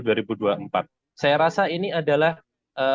saya rasa ini adalah upaya mereka untuk memberikan aspirasi